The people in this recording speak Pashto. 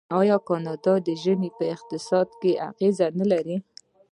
آیا د کاناډا ژمی په اقتصاد اغیز نلري؟